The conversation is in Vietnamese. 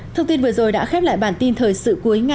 thông tin vừa rồi đã khép lại bản tin